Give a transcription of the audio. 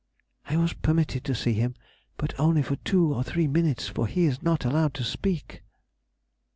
_—I was permitted to see him, but only for two or three minutes, for he is not allowed to speak.